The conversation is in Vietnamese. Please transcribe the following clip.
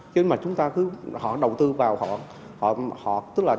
chứ mà chúng ta cứ họ đầu tư vào họ